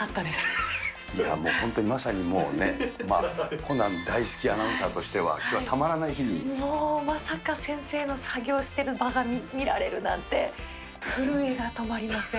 本当にまさにもうね、まあ、コナン大好きアナウンサーとしては、もうまさか、先生の作業してる場が見られるなんて、震えが止まりません。